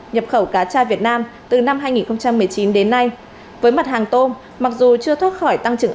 nhập khẩu cá tra việt nam từ năm hai nghìn một mươi chín đến nay với mặt hàng tôm mặc dù chưa thoát khỏi tăng trưởng